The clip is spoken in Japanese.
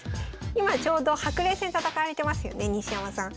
今ちょうど白玲戦戦われてますよね西山さん。